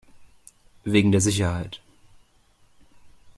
Wegen der Sicherheit.